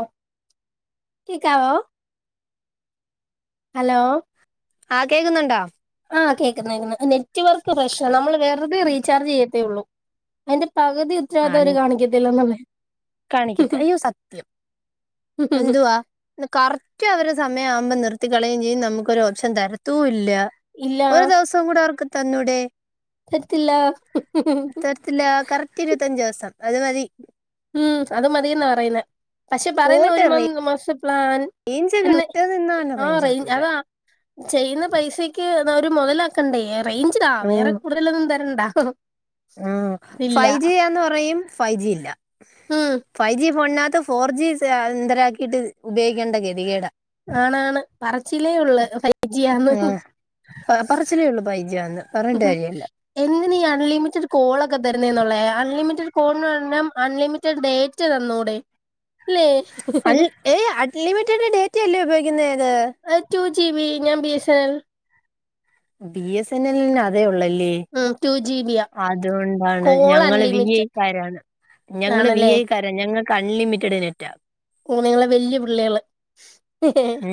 O കേക്കാവോ hello ആഹ് കേക്കുന്നുണ്ടോ? ആഹ് കേക്കുന്നുണ്ട് നെറ്റ് വർക്ക് പ്രശ്ന നമ്മൾ വേർതെ റീചാർജ് ചെയ്യത്തേ ഉള്ളൂ അയ്ന്റെ പകുതി ഉത്തരവാദിത്തവര് കാണിക്കത്തില്ലന്ന പറ കാണിക്കത്തെ അയ്യോ സത്യം എന്തുവാ കറക്റ്റ് അവരെ സമയാവുമ്പോ നിർത്തികളയും ചെയ്യും നമുക്കൊരു ഓപ്ഷൻ തരത്തൂ ഇല്ല ഇല്ല ഒരു ദിവസോം കൂടെ അവർക്ക് തന്നൂടെേ പറ്റില്ല റ്റില്ല കറക്റ്റ് ഇരുപത്തഞ്ച് ദിവസം അത് മതി ഉം അത് മതീന്ന പറയുന്നെ പക്ഷെ പറയുന്നവര് ഒരു മം മാസ്തേ പ്ലാൻ എന്ന് [unintelligible] നിന്നാലു ആ റേഞ്ച് റേഞ്ചിട്ടൂല അതാ ചെയ്യുന്ന പൈസയ്ക്ക് ഒരു മുതല റേഞ്ച്താ വേറെ കൂടുതലൊന്നും തരെണ്ട മ്ഉം ഫൈജിയാന്ന് പറയും ഫൈജി ഇല്ല ഉം ഫൈവ് ജി ഫോണിനാത്തും ഫോർ ജി സ എന്തരാക്കിട്ട് ഉപയോയിക്കേണ്ട ഗതികേടാ ആണാണ് പറച്ചിലേ ഉള്ളു ഫൈജിയാന്ന് അ പറച്ചിലേ ഉള്ളൂ ഫൈജിയാന്ന് [unintelligible] എന്നു നീ അൺലിമിറ്റഡ് കോൾ ഒക്കെ തരുന്നെന്നുള്ളെ അൺലിമിറ്റഡ് കോൾ എന്ന് പറഞ്ഞാ അൺലിമിറ്റഡ് ഡേറ്റ് റ്റ തന്നൂടെ അല്ലേ അൽ ഏയ് അൺലിമിറ്റഡ് ഡേറ്റയല്ലേ ഉപയോഗിക്കുന്നെ അത് എ ടു ജി ബി ഞാൻ B S N L B S N എല്ലന് പിന്നെ അതേ ഉള്ളല്ലേ? ഉം ടു ജി ബിയാ അതുകൊണ്ടാണ് കോൾ ഞങ്ങള് വി അൺലിമിറ്റഡ് ഐക്കാരാണ് ഞങ്ങള് വി ആണല്ലേ ഐ ക്കാര ഞങ്ങക്ക് അൺലിമിറ്റഡ് ഡേറ്റ ഓ നിങ്ങള് വല്ല്യ പുള്ളികള്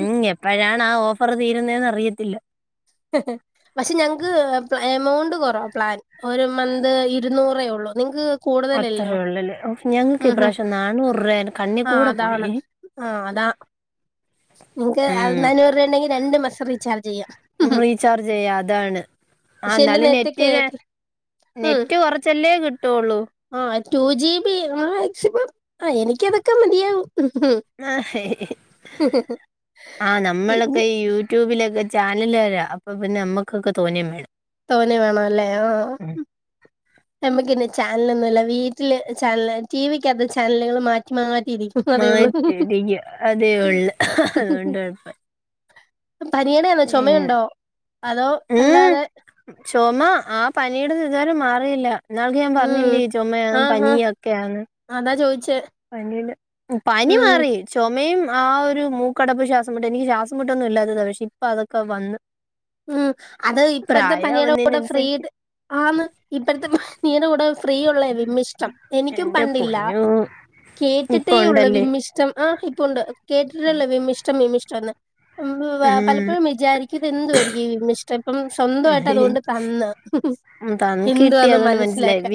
ഉം എപ്പഴാണ് ആ ഓഫർ തീരുന്നെന്ന് അറിയത്തില്ല [unintelligible] പക്ഷെ ഞങ്ങക്ക് എമൗണ്ട് കുറവ പ്ലാൻ ഒരു മന്ത് ഇരുന്നൂറേ ഉള്ളു നിങ്ങക്ക് കൂടുതലല്ലയോ അത്രയേ ഉള്ളല്ലേ ഒ ഞങ്ങക്ക് ഉം ഹും. ഇപ്രാശ്യം നാന്നൂറാ കണ്ണി ആ കൂടെ അതാണ് പോയി ആ അതാ നിങ്ങക്ക് അ ഉം നഞ്ഞൂറ് രൂപ ഉണ്ടെങ്കി രണ്ട് മാസ്ത്തെ റീചാർജ് ചെയ്യാ റീചാർജ് ചെയ്യ അതാണ് ആ പക്ഷെ എന്റെ എന്നാാലും നേരത്തെ നെറ്റില് കേരള ഉം നെറ്റ് കൊറച്ചല്ലേ കിട്ടുള്ളൂ ആഹ് ടു ജി ബി മാക്സിമം ആ എനിക്കതൊക്കെ മതിയാവുംഉം ആഹ് ഹെ ഇന്ന് നമ്മളൊക്കെ യൂ ട്യൂബിലൊക്കെ ചാനൽകാര അപ്പൊ പിന്നെ നമ്മക്കൊക്കെ തോന്നിയ വേണം തോന വേണല്ലെ ആഹ് ഉം നമ്മുക്കിന്ന് ചാനലൊന്നുല്ല വീട്ടില് ചാനൽ ടി വിക്കാത്ത് ചാനലുകൾ മാറ്റി മാറ്റിയിരി മാറ്റിയിരിക്ക അതേ ഉള്ളു അതോണ്ട് കൊഴപ്പ പനിയുടെയാന്നോ പിന്നെ ചൊമയുണ്ടോ അതോ അല്ലാതെ ചൊമ ആഹ് പനിയിടെതിതുവരെ മാറിയില്ല ഇന്നാൾക്ക് ഞാൻ ഉം പറഞ്ഞില്ലേ ചുമയാന്ന് ആഹ് ആഹ് പനിയൊക്കെയാന്ന് അതാ ചോദിച്ചേ പനിൽ പനി ഉം മാറി ചുമയും ആ ഒരു മൂക്കടപ്പ് ശ്വാസംമുട്ടൽ എനിക്ക് ശ്വാസം മുട്ടൊന്നും ഇല്ലാത്തത പക്ഷെ ഇപ്പ അതൊക്കെ വന്ന് ഉം അത് ഇപ്പത്തെ പനിയുടെ കൂടെ ഫ്രീ പ്രായാവുന്നതിനനുസരിച്ച് ആന്ന് ഇപ്പത്തെ പനീടെ കൂടെ ഫ്രീ ഉള്ളേ വിമ്മിഷ്ടം എനിക്കും എന്റെ പണ്ടില്ല പൊന്നൂ കേട്ടിട്ടേ ഇപ്പൊ ഉള്ളു ഉണ്ടല്ലേ വിമ്മിഷ്ടം ആഹ് ഇപ്പൊണ്ട് കേട്ടിട്ടൊള്ളു വിമ്മിഷ്ടം വിമ്മിഷ്ടന്ന് ഉം പലപ്പോഴും വിചാരിക്കു ഇതെന്തുവായിരി വിമ്മിഷ്ടെപ്പം സ്വന്തായിട്ട് അതോണ്ട് തന്ന് ഉംത്തം കിട്ടി എന്തുവാന്ന് അതോണ്ട് മനസ്സിലായി മനസ്സിലാക്കാൻ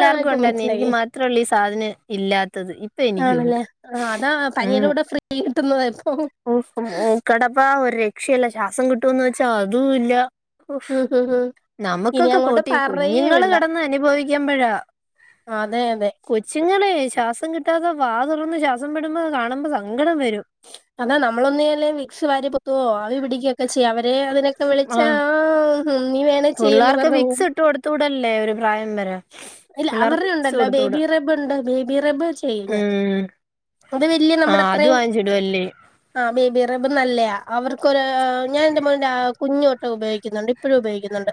ആ ഇപ്പൊ എനിക്ക് മനസ്സിലായി മാത്രേള്ളൂ ഈ സാധനം ഇല്ലാത്തത് എനിക്കും ഉണ്ട് ആണല്ലേ ആ അതാ പനിയുടെ കൂടെ ഫ്രീ കിട്ടുന്ന തപ്പം ഓഹ്‌ മൂ കടപ്പ ഒരു രക്ഷയല്ല ശ്വാസം കിട്ടുന്ന് വെച്ചാ അതും ഇല്ല ഉം ഉം ഉം ഇനി നമുക്കൊക്കെ അങ്ങോട്ട് പോട്ടെ ഈ പറയേ കുഞ്ഞുങ്ങള് വേണ്ട കെടന്ന് അനുഭവികുമ്പഴാ അതെ അതെ കൊച്ചുങ്ങളെ ശ്വാസം കിട്ടാതെ വാ തുറന്ന് ശ്വാസം വിടുമ്പോ കാണുമ്പോ സങ്കടം വരും അതാ നമ്മളൊന്നല്ലേ വിക്സ് വാരി പൊത്തുവോ ആവി പിടിക്കുകൊക്കെ ചെയ്യ അവ ഏഹ്‌ അതിനൊക്കെ വിളിച്ചാ ആഹ് ആഹും നീ വേണ ചെയ്യന്ന് പറഞ്ഞ പോം ട്തുടല്ലേ ഒരു പ്രായം വരെ ഇല്ല പിള്ളേർക്ക് വിക്സ് അവറ്ണ്ടല്ലോ കൊടുത്തൂടാ ബേബി റബ്ണ്ട് ബേബി റബ് ചെയ്യും ഞാൻ ഉം അത് വെല്ല്യ ആഹ് അത് നമ്മുടെത്രയും വാങ്ങിച്ചിടുവല്ലേ ആ ബേബിറബ് നല്ലയാ അവർക്കൊരു ഞാന്റെ മോന്റെ കുഞ്ഞോട്ട് ഉപയോഗിക്കുന്നുണ്ട് ഇപ്പഴും ഉപയോഗിക്കുന്നുണ്ട്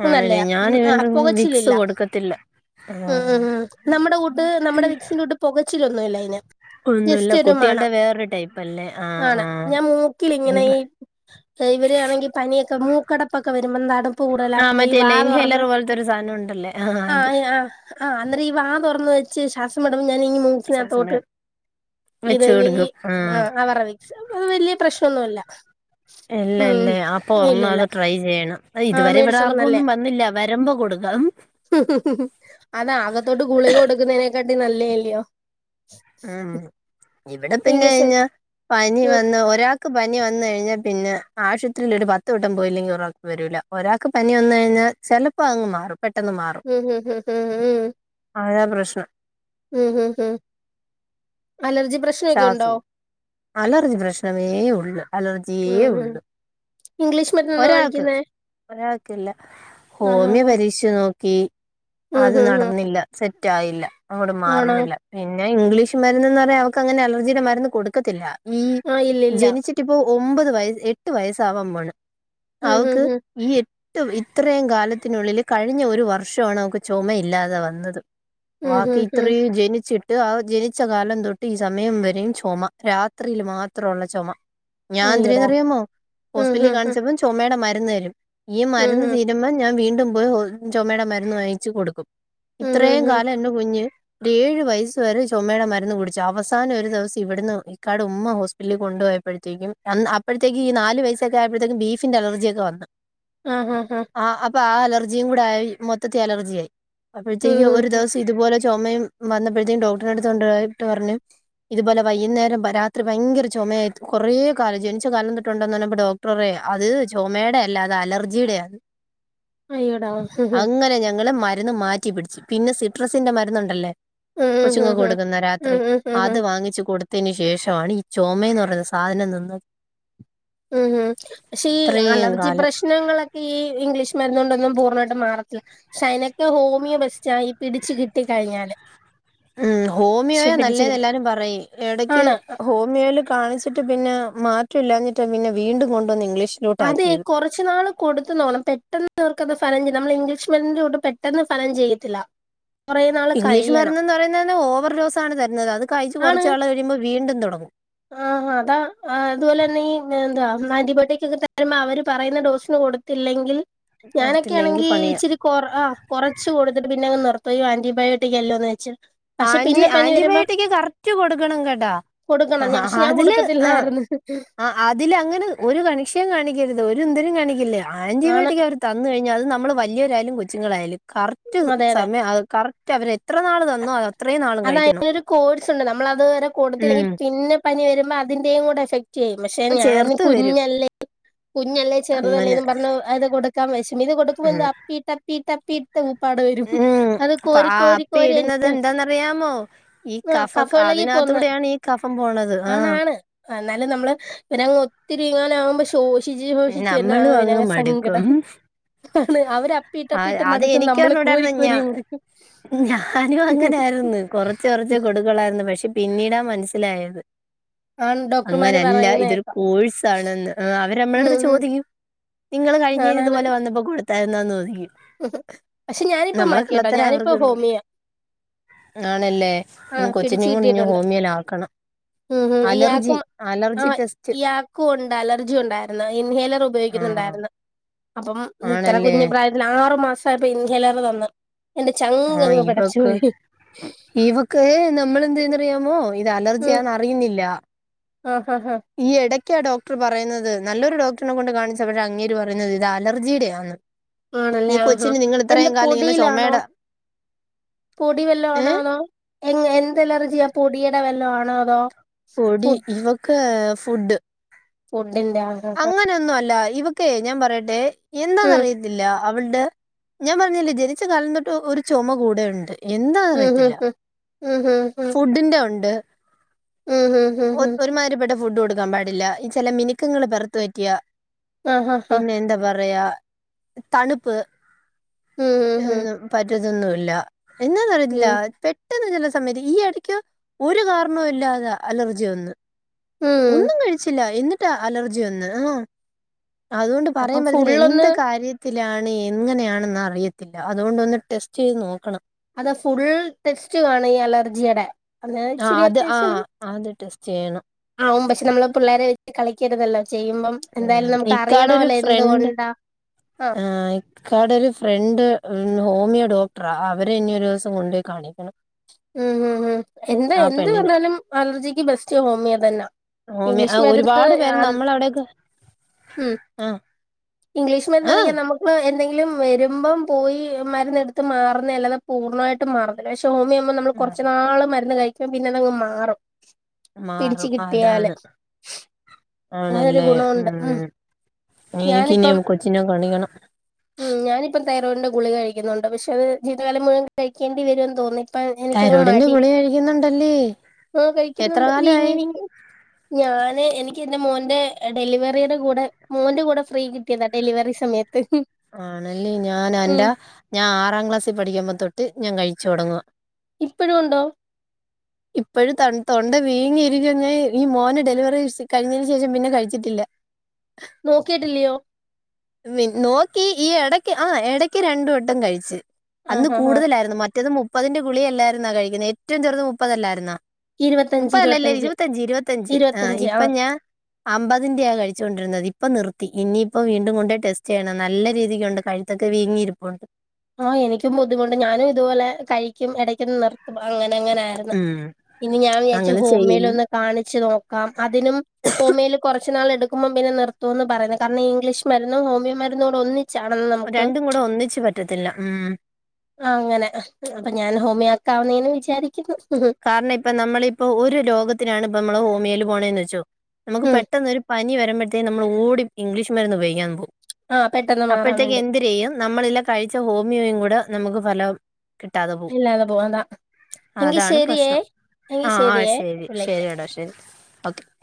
അത് ആണല്ലേ നല്ലയാ ഞാൻ ഇവന് ആഹ്‌ വിക്സ് പുകച്ചിലില്ല കൊടുക്കത്തില്ല ഉംഹ്‌ ആഹ് ഉംഹ്‌ ഉംഹ്‌ നമ്മുടെ കൂട്ട് നമ്മുടെ വിക്സിന്റെ കൂട്ട് പൊകച്ചിലൊന്നുല്ലയിന് ഒന്നുല്ല ജസ്റ്റ് ഒരു മണം കുട്ടികളുടെ വേറൊരു ടൈപ്പ് അല്ലേ ആഹ് ആണ്‌ ആഹ് ഞാൻ മൂക്കിലി ങ്ങനെ ഇവ ഇവരാണെങ്കിൽ പനിയൊക്കെ മൂക്കടപ്പൊക്കെ വരുമ്പോ അടപ്പ് ആഹ് കൂടുതലാകുമ്പോ ഈ വാ മറ്റേല്ലേ തുറന്ന് ഇൻഹേലർ പോലത്തെ ഒരു സാനോണ്ടല്ലേ ആയ്ആഹ്‌ അന്നേരം ഈ വാ തുറന്ന് വെച്ച് ശ്വാസം വിടുമ്പോ ഞാനി ശ്വാസം മൂക്കിനകത്തോട്ട് വിടാൻ ഇതെ വെച്ച് വെയ് കൊടുക്കും ആഹ് ആഹ്‌ അവർടെ വിക്സ് വെല്ല്യ പ്രശ്നന്നൊല്ല ഉം ഇല്ലില്ല വേണം ഇതുവരെ ഇവിടെ ആർക്കും ഒന്നും വന്നില്ല വരുമ്പോ കൊടുക്കാം ഉം ഉം ഉം ഉം‌ അതാകത്തോട്ട് ഗുളിക കൊടുക്കുന്നതിനെക്കാട്ടി നല്ലേല്ലിയോ ഉം ഹ്‌ ഇവിടെ ഇംഗ്ലീഷ് പിന്നെയിഞ്ഞ പനി ഉം വന്ന ഒരാൾക്ക് പനി വന്ന ഴിഞ്ഞാൽ പിന്നെ ആശുപത്രിയിലൊരു പത്ത് വട്ടം പോയില്ലെങ്കിൽ ഒറ വരൂല ഒരാക്ക് പനി വന്നയിഞ്ഞാൽ ചെലപ്പോ അങ്ങ് മാറും പെട്ടെന്ന് മാറും ഉംഹ്‌ ഹ്‌ ഹ്‌ ഉംഹ് ഉംഹ് അതാ പ്രശ്നം ഉംഹ്‌ ഉംഹ്‌ ഉംഹ്‌ അലർജി പ്രശ് ശ്വാസു അലർജി പ്രശ്നമേ ഉള്ളു അലർജിയേ ഉം ഉം ഉള്ളു ഇംഗ്ലീഷ് മരുന്നോ ഒരാൾക്ക് വാങ്ങിക്കുന്നെ ഒരാൾക്കില്ല ഹോമിയ ആഹ് പരീകഷ് നോക്കി ഉം അത് ഉം ഉം നടന്നില്ല സെറ്റായില്ല അങ്ങൊട് ആണോ മാറുന്നില്ല പിന്നെ ഇംഗ്ലീഷ് മരുന്നെന്നറയാ ക്കങ്ങനെ അലജിയുടെ മരുന്ന് കൊടുക്കത്തില്ല ആഹ്‌ ഇല്ലല്ല ട്ടിപ്പോ ഒമ്പത് വയ എട്ട് വയസാവാൻ പോണ് ഉം ഉം അവക്ക് ഉം ഈ ഇത്രയും കാലത്തിനുള്ളിൽ കഴിഞ്ഞ ഒരു വർഷണവൾക്ക്‌ ചൊ മയില്ലാതെ വന്നത് ഉം ബാക്കി ഉം ഉം ഇത്രയും ജനിച്ചിട്ട് ആ ജനിച്ച കാലം തൊ ട്ടീ സമയം വരെയും ചൊമ രാത്രിയിൽ മാത്രൊള്ള ചൊമ അയ്യോടാ ഞാനേന്ത്രിയാനറിയാമോ ഉം ഹോസ്പിറ്റലിൽ ഉം ഉം കാണിച്ചപ്പം ചൊ മയുടെ മരുന്ന് തരും ഈ ഉം മരുന്ന് തീ ഉം രുമ്മ ഞാൻ വീണ്ടും പോയി ചൊമയുടെ മരുന്ന് വാങ്ങിച്ചു കൊടുക്കും ഉം ഇത്രയും ഉം ഉം കാലം എന്റെ കുഞ്ഞ് ഏഴ് വയസ്സ് വരെ ചൊമേടെ മരുന്ന് കുടിച്ചു അവസാനം ഒര് ദെവസം ഇവിടുന്ന് ക്കാട് ഉമ്മ ഹോസ്പിറ്റലിൽ കൊണ്ടോ യപ്പത്തേക്കും അപ്പോഴത്തേക്കും നാല് വയസൊക്കെ ആയപ്പോഴത്തേക്കും ബീഫിന്റെ അലർജിയൊക്കെ വന്നു ആഹ് ആഹ് ആ അപ്പൊ ആ അലർജിയും കൂടായി മൊത്തത്തിൽ അലർജിആയി ഉം അപ്പോഴത്തേക്കും ഉം ഒരു ഉം ദിവസം ഇതുപോലെ ചൊമയും വന്നപ്പോഴത്തേക്കും ഡോക്ടറ ടുത്തുകൊണ്ടോയിട്ട് പറഞ്ഞു ഇതുപോലെ വൈന്നേരം രാത്രി വയങ്കര ചൊമയായി കുറേ കാലം ജനിച്ച കാലംതൊട്ടുണ്ടോന്ന് ന്ന ന്ന് ഡോ ക്ടറെ അത് ചൊമേടല്ലാ അത ലർജിയുടെയാണ് അയ്യോടാ ഉം അങ്ങനെ ഞങ്ങള് മരുന്ന് മാറ്റി പിടിച്ചു പിന്നെ സിട്രസിന്റെ മരുന്നുണ്ടല്ലേ ഉം ഉം കൊച്ചുങ്ങ ഉം ഉം കൊടുക്കുന്ന രാത്രി ഉം ഉം അ ഉം ഉം അത് വാങ്ങിച്ചു കൊടുത്തയിനു ശേഷണ് ഈ ചുമന്ന് പറയുന്ന സാധനം നിന്നത് ഉം ഉം പക്ഷേ ഇത്രയും അലർജി പ്രശ് കാലം പ്രശ്നങ്ങളൊക്കെ ഈ ഇംഗ്ലീഷ് മരുന്ന കൊണ്ടൊന്നും പൂർണ്ണയിട്ട് മാറത്തില്ല ശൈനക്ക് ഹോമിയോ ബസ്റ്റ പിടിച്ചു കിട്ട കഴിഞ്ഞല് ഉം ഹോമിയോയ നല്ലേന്ന് എല്ലാരും പറയും എവിടക്ക് ആണ് ഹോമിയോയിൽ കാണിച് ട്ട് പിന്നെ മാറ്റംല്ലാഞ്ഞിട്ടാ പിന്നെ വീണ്ടും കൊണ്ടുവന്ന് ഇംഗ്ലീഷ് അതെ കൊറച്ചു നാള് കൊടുത്തു നോണം പെട്ടെന്ന് ഇവർക്ക്ത് ഫലം ചെയ്യാം നമ്മൾ ഇംഗ്ലീഷ് മീഡിന്റെ കൂട്ട പെട്ട ഫലം ചെയ്ത്തില്ല ഇംഗ്ലീഷ് മരന്ന് എന്ന് പറയുന്നത് ഓവർ ഡോസണ് തരുന്നത് അത് കഴിച്ച് കുറച്ചാൾ വരുമ്പോൾ വീണ്ടും തുടങ്ങും ആഹാ അതാ അതുപോലെ തന്നെ ഈ എന്താ ആന്റിബയോട്ടിക് ഒക്കെ തരുമ്പോ അവര് പറയുന്ന ഡോസിന് കൊടു ല്ലെങ്കിൽ ഞാനൊക്കെ കൊടുത്തില്ലെങ്കിൽ ആണെങ്കി പണിയാ ഇച്ചിരി കൊറ ആ കുറച്ച് കൊടുത്തിട്ട് പിന്നെ അങ്ങ് നിർത്തോ ആന്റിബയോട്ടിക് എല്ലോന്ന് വെച്ച് പക്ഷെ ആൻറി പിന്നെ പനി വരുമ്പോ ആന്റിബയോട്ടിക്ക് കറക്റ്റ് കൊടുക്കണം കേട്ടാ ണഞ്ഞ പക്ഷെ ഞാൻ അതില് ആ കൊടുക്കത്തില്ലായിരുന്നു ആ അതിൽ അങ്ങനെ ഒരു കണിക്ഷ്യയും കാണിക്കരുത് ഒ ഇന്തരും കാണിക്കില്ലേ ആണ് ആന്റിബയോട്ടിക് അവർ തന്ന കഴിഞ്ഞാ അത് നമ്മള് വലിയവരായാലും കൊച്ചുങ്ങളായാലും കറക്റ്റ് അതെ അതെ സമയം കറക്റ്റ് അവരെ എത്ര നാള് [unintelligible] അത് കഴിക്കണം അതിനൊരു കോഴ്സ് ഉണ്ട് നമ്മള അത് വരെ കൊടുത്തില്ലെങ്കി ഉം പിന്നെ പനി വരുമ്പോ അതിന്റെയും കൂടെ എഫക്ട് ചെയ്യും പക്ഷെ അത് ഞാൻ ചേർത്ത് വരും കുഞ്ഞല്ലേ കുഞ്ഞല്ലേ അങ്ങനെ ചെറുതല്ലേന്ന് പറഞ് അത് കൊടുക്കാൻ വിശം ഇത് ഉം കൊടുക്കുമ്പോ അപ്പിട്ടപ്പിട്ടപ്പി പ്പാട വരും ഉം അത് കോരി കോരി കോരി അറിയമോ ഈ ആ കഫം കഫവിളകി അതിനകത്ത പോന്ന് കൂടെയാണ് ഈ കഫം പോണത് ആഹ് ആണാണ് എന്നാലും നമ്മള് ഇ ഒത്തിരി ഇങ്ങനെ ആവുമ്പോ ശോ [unintelligible] ശോഷിച്ചു നമ്മളും അങ്ങ് മടുക്കും സങ്കടം ആണ് അവ ആ ആദ്യം എനിക്ക് പറഞ്ഞൂടായിരുന്ന ഞ ഞാനും അങ്ങനെയ മടുക്കും ആയിരുന്നു. കൊറ കുറച്ചു റച്ച് കൊടുക്കളായിരുന്നു പക്ഷെ പിന്നീടാ മനസ്സിലായത്. ആണ് ഡോക്ടർമാര് അങ്ങനെല്ല പറയുന്ന ഇതൊരു കേക്കാം കോഴ്സ് ആണെന്ന് അവര് നമ്മളെ അടുത്ത് ഉം ചോദിക്കും. നിങ്ങള് ഉം കഴിഞ്ഞന് ഇതുപോലെ വന്നപ്പോ കൊടുത്തായിരുന്നന്ന് തോന്ന് ചോദിക്കും. ഉ പക്ഷെ ഞാനിപ്പോ നമ്മളെ മാറ്റിട്ടോ കള്ളത്തരം ഞാനിപ്പോ അവർക്ക് കണ്ടുപിടിക്കും ഹോമിയാ. ആണല്ലേ ആ ഇനി കൊച്ചികുടി ഇഞ്ഞ് ഹോമിയോൽ ആക്കണം. ഉ ഇയാക്കും ആ് ടെസ്റ്റ് ഇയാക്കും ഉണ്ട് അലർജി ഉണ്ടായിരുന്നു. ഇൻഹേലർ ഉപയോഗിക്ക ആഹ് ന്നുണ്ടായിരുന്നു. അപ്പം ഇത്ര ആണല്ലേ കുഞ്ഞു പ്രായത്തിന് ആറു മാസയപ്പോ ഇൻഹെലർ തന്നു. എന്റെ ചങ്കങ്ങ് പിടച്ചുപോയി. ഇ ഈവക്ക് നമ്മള് എന്ത്ന്ന്റിയാമോ ഇത് ഉം അലർജിയാന്ന് അറിയുന്നില്ല. ആഹ് ഹഹ ഹഹ ഈ ഇടയ്ക്കാണ് ഡോക്ടർ പറയുന്നത്. നല്ലൊരു ഡോക്ടറിനെ കൊണ്ട് കാണിച്ച പക്ഷെ അങ്ങേര് പറയുന്നത്. ഇത് അലർജിയുടെ ആണ്. ആണല്ലേ ഇ ആഹാ കൊച്ചി നിങ്ങള് എന്ത് ഇത്രേയും കാലം ഇങ്ങനെ പൊടിയിലാണോ ചുമടാ പൊടി വെല്ല ആണോ തോ എ എന്ത് എലർജിയാ പൊടിയുടെ വെല്ലോ ആണോ അതോ? പൊടി ഫുഡ് ഇവക്ക് ഫുഡ്. ഫുഡ്ന്റെ ആണ് അങ്ങനെയൊന്നും അല്ല ഇവക്കെ ഞാൻ പറയട്ടെ ഉം എന്താന്നറിയത്തില്ല. അവളുടെ ഞാൻ പറഞ്ഞല്ലേ ജനിച്ച കാലം തൊട്ട് ഒരു ചുമ കൂടെ ഉണ്ട്. ഉം് ഹം എന്താന്നറിയത്തില്ല ഹ ഉം ഹ ആഹ് ഫുഡിന്റെ ഉണ്ട് ഉം ഹും ഹും ഹും ഒരുമാതിരി പ്പെട്ട ഫുഡ് കൊടുക്കും. കാൻ പാടില്ല ഈ ചില മിനക്കങ്ങള് പറത്തു പറ്റിയ. ആഹ് ആഹ് ആഹ് പിന്നെ എന്താ പറയാ തണുപ്പ് ഉം ഹും എന്നും പറ്റതൊന്നുമല്ല. എന്താന്ന് അറിയതില്ല ഉം പെട്ടെന്ന് ജല സമയത്ത് ഈ ഇടയ്ക്ക് ഒരു കാരണം ഇല്ലാതെ അലർജി വന്ന്. ഉം ഒന്നും കഴിച്ചില്ല എന്നിട്ടാ അലർജി വന്ന്. ആ അതുകൊണ്ട് അപ്പൊ പറയാൻ പറ്റത്തില്ല ഫുള്ളൊന്ന് എന്ത് കാര്യത്തി ത്തിലാണ് എങ്ങനെയാണെന്ന് അറിയത്തില്ല. അതുകൊണ്ട് ഒന്ന് ടെസ്റ്റ് ചെയ്ത് നോക്കണം. അത് ഫുൾ ടെസ്റ്റ് വേണം ഈ അലർജിയുടെ. അത് ആ ഇച്ചിരി അത് ആഹ് അത് ടെസ്റ്റ് ചെയ്യണം. ആും പക്ഷെ നമ്മള് പിള്ളേരെ വെച്ച് കളിക്കരുതല്ലോ ചെയ്യുമ്പം എന്തായാലും ഉം നമുക്ക് ഇക്കാടൊരു അറിയണമല്ലോ ഫ്രണ്ട് എന്തുകൊണ്ടാ ആഹ് ഇക്കാടെ ഒരു ഫ്രണ്ട് ഹോമിയോ ഡോക്ടറാ. അവരെ ഇനി ഒരു ദിവസം കൊണ്ട്പോയി കാണിക്കണം. ഉം ഉം ഉ എന്താ ആ എന്ത് പെണ്ണിന് വന്നാലും അലർജിക്ക് ബെസ്റ്റ് ഹോമിയോ തന്നെ. ഹോമിയോ ആ ഇംഗ്ലീഷ്മരുന്ന് ഒരുപാട് പേര് ആ നമ്മളവിടെയൊക്കെ ഉം. ആഹ്. ഇംഗ്ലീഷ് മരുന്നണെങ്കി ആഹ് നമുക്ക് എന്തെങ്കിലും വരുമ്പം പോയി മരുന്നെടുത്ത് മാറുന്ന അല്ലാതെ. പൂർണ്ണമായിട്ടും മാറന്നില്ല പക്ഷെ ഹോമിയുമോം നമ്മൾ കുറച്ച മാറും നാള് മരുന്ന് കഴിക്കുമ്പോ പിന്നെ അതങ്ങ് മാറും. പിടിച്ച് മാറും കിട്ടിയാല് അതാണ് അതൊരു ആണല്ലേ ഗുണമുണ്ട് ഉം എനിക്ക് നി ഞാനിപ്പം കൊച്ചിനെ കാണി ക്കണം. ഉം ഞാനിപ്പം തൈറോയിടി ന്റെ ഗുളിക കഴി ക്കുന്നുണ്ട്. പക്ഷെ അത് ജീവിതകാലം മുഴുവൻ കഴിക്കേണ്ടി വരുന്ന് തോന്നി. അ എനിക്കങ്ങ് തൈറോയിഡിന്റെ മടി ഗുളിക കഴിക്കുന്നുണ്ടല്ലേ ആ എത്ര കഴിക്കുന്നുണ്ട് വീങ്ങി കാലമായി വീങ്ങി. ഞാന് എനിക്ക് എന്റെ മോന്റെ ഡെലിവറിയുടെ കൂടെ മോന്റെ കൂടെ. ഫ്രീ കിട്ടിയതാ ഡെലിവറി സമയത്ത്. ആണല്ലേ ഞാൻ ഉം എന്റെ ഞാൻ ആറാം ക്ലാസ്സിൽ പഠിക്കുമ്പോ തൊട്ട് ഞാൻ കഴിച്ചു തുടങ്ങുവ. ഇപ്പഴും ഒണ്ടൊ? ഇപ്പഴും തൺ തൊണ്ട വീങ്ങിയിരിക്കുന്നെ. ഈ മോനെ ഡെലിവറി സ് കഴിഞ്ഞേന് ശേഷം പിന്നെ കഴിച്ചിട്ടില്ല. നോക്കിട്ടില്യോ? മിൻ നോക്കി ഈ എടയ്ക്ക് ആഹ് എടയ്ക്ക് രണ്ട് വട്ടം കഴിച്ച്. അന്ന് ആഹ് ആഹ് കൂട്തലായിര്ന്നു. മറ്റത് മുപ്പതിന്റെ ഗുളിക അല്ലായിരുന്നൊ കഴിക്കുന്നെ. ഏറ്റവും ചെറ്ത് മുപ്പതല്ലായിര്ന്നൊ? ഇരുപത്തഞ്ച്, മുപ്പതല്ലല്ലേ ഇരുപത്തഞ്ച്, ഇരുവത്തഞ്ച്, ഇരുവത്തഞ്ച് ആഹ് ഇപ്പം ഞാ അമ്പതിന്റെയാ കഴിച്ചു കൊണ്ടിരുന്നത്. ഇപ്പം നിർത്തി. ഇന്നിപ്പൊ വീണ്ടും കൊ ടെസ്റ്റെയ്യണം നല്ല രീതിക്കൊണ്ട്. കഴുത്തൊക്കെ വീങ്ങിയിരിപ്പൊണ്ട്. ആഹ് എനിക്കും ബുദ്ധിമുട്ടാ. ഞാനും ഇത്പോലെ കഴിക്കും എടയ്ക്കൊന്ന് നി ത്തും. അങ്ങനെങ്ങനായിര്ന്ന്. ഉം ഇനി ഞാ വിചാരിച്ച് അങ്ങനെ ഹോമിയോ ല് ചെയ്യുന്നു ഒന്ന് കാണിച്ച് നോക്കാം. അതിനും ഹോമിയോല് കൊറച്ച് നാൾ എട്ക്കുമ്പം പിന്നെ നിർത്തൂന്ന് പറയുന്നെ. കാരണം ഈ ഇംഗ്ലീഷ് മരുന്നും ഹോമിയോ മരുന്നൂടെ ഒന്നി രണ്ടും കൂടെ ഒന്നിച്ച് പറ്റത്തില്ല ഉം. ആഹ് അങ്ങനെ. അപ്പൊ ഞാൻ ഹോമിയാക്കാവ്ന്ന്ങ്ങിനെ വിചാരിക്കുന്നു. കാരണം ഇപ്പം നമ്മളിപ്പൊ ഒര് രോഗത്തിനാണ് പ്പം മ്മള് ഹോമിയേ ല് പോണേന്ന് വെച്ചൊ നമുക്ക് ഉം പെട്ടെന്നൊര് പനി വരുമ്പഴത്തേനും നമ്മൾ ഓടി ഇംഗ്ലീഷ് മര്ന്ന് ഉപയോഗിക്കൻ പോവും. ആഹ് പെട്ടെന്ന് മാറാൻ അപ്പോഴത്തേക്ക് വേണ്ടി എന്തിരെയ്യും നമ്മളെല്ലാ കഴിച്ച ഹോമിയോയും കൂടെ നമുക്ക് ഫലം കിട്ടാതെ പോവും. ഇല്ലാതെ പോവാതാ എങ്കി അതാണ് ശരിയേ പ്രശ്നം. എങ്കി ആഹ് ആഹ് ശരിയേ ശരി. വിളിക്കാം. ശരിയെടാ ശരി. ഓക്കെ